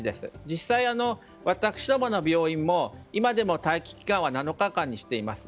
実際、私どもの病院も今でも待機期間は７日間にしています。